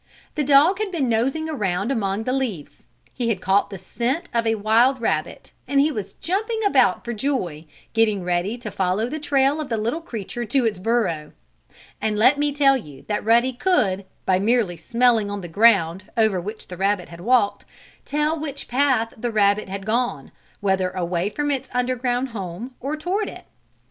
The dog had been nosing around among the leaves. He had caught the scent of a wild rabbit, and he was jumping about for joy, getting ready to follow the trail of the little creature to its burrow. And let me tell you that Ruddy could, by merely smelling on the ground, over which the rabbit had walked, tell which path the rabbit had gone, whether away from its underground home or toward it.